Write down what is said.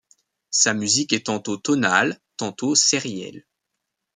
Sa musique est tantôt tonale, tantôt sérielle.